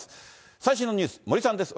最新のニュース、森さんです。